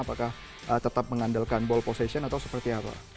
apakah tetap mengandalkan ball position atau seperti apa